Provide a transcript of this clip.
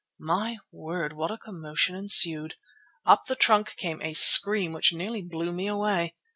My word! what a commotion ensued! Up the trunk came a scream which nearly blew me away.